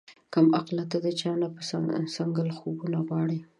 کم عقله تۀ د چا نه پۀ څنګل خوبونه غواړې